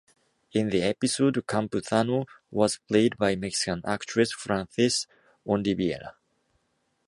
In the episode, Campuzano was played by Mexican actress Frances Ondiviela.